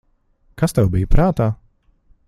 Kas tev bija prātā?